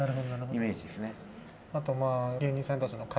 イメージですね。